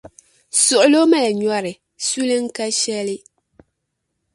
suɣulo mali nyɔri, suli n-ka shɛli.